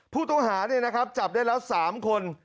ผู้ต้องหาจับได้แล้ว๓คน